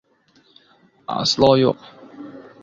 – Aslo yoʻq!